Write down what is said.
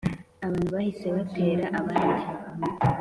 Abantu bahise batera abandi